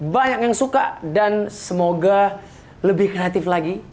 banyak yang suka dan semoga lebih kreatif lagi